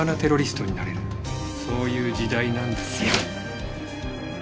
そういう時代なんですよ！